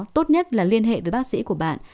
tốt nhất là liên hệ với bác sĩ của bạn